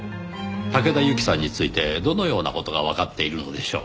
竹田ユキさんについてどのような事がわかっているのでしょう？